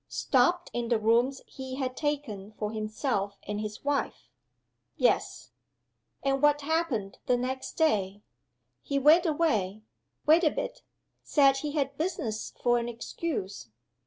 Stopped in the rooms he had taken for himself and his wife?" "Yes." "And what happened the next day?" "He went away. Wait a bit! Said he had business for an excuse."